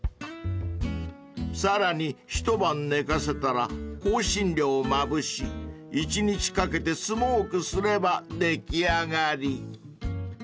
［さらに一晩寝かせたら香辛料をまぶし１日かけてスモークすれば出来上がり］